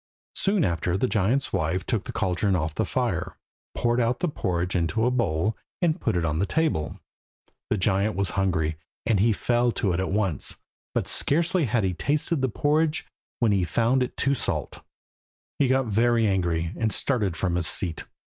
Soon after the giant's wife took the caldron off the fire, poured out the porridge into a bowl, and put it on the table. The giant was hungry, and he fell to at once, but scarcely had he tasted the porridge when he found it too salt. He got very angry, and started from his seat.